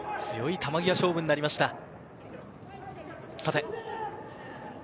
強い球際勝負になりました。